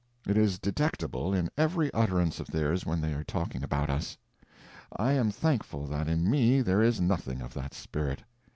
It is detectable in every utterance of theirs when they are talking about us. I am thankful that in me there is nothing of that spirit.